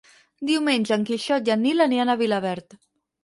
Diumenge en Quixot i en Nil aniran a Vilaverd.